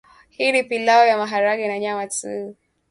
Hii ni pilau ya maharage na nyama tu